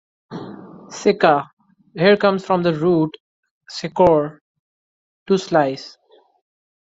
"Sica" here comes from the root "secor", "to slice".